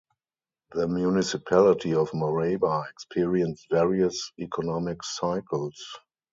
The municipality of Maraba experienced various economic cycles.